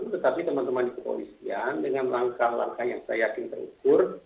tetapi teman teman di kepolisian dengan langkah langkah yang saya yakin terukur